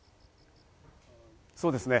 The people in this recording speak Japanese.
そうですね。